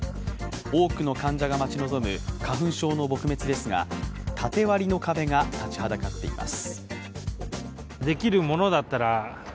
多くの患者が待ち望む花粉症の撲滅ですが、縦割りの壁が立ちはだかっています。